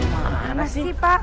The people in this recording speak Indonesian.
mana sih pak